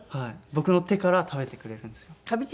僕の手から食べてくれるんですよ。